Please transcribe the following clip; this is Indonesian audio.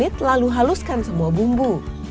lihatlah bagaimana rasanya dengan semua bumbu